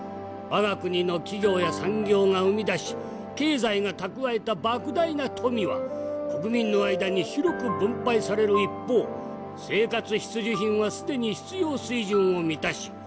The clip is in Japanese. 我が国の企業や産業が生み出し経済が蓄えたばく大な富は国民の間に広く分配される一方生活必需品は既に必要水準を満たし